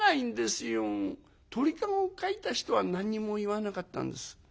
鳥籠を描いた人は何にも言わなかったんです。